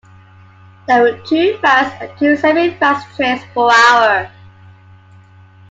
There were two fast and two semi-fast trains per hour.